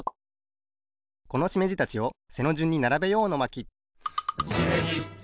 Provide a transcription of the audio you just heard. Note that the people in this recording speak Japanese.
このしめじたちを背のじゅんにならべよう！の巻